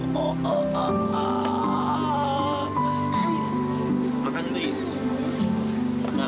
tapi dia seperti itu juga papa